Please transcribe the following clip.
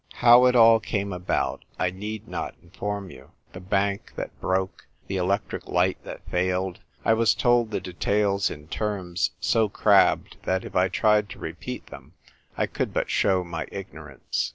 How it all came about I need not inform you : the bank that broke, the electric light that failed : I was told the details in terms so crabbed that if I tried to repeat them I could but show my ignorance.